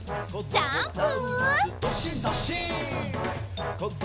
ジャンプ！